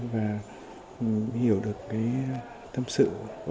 và hiểu được tâm sự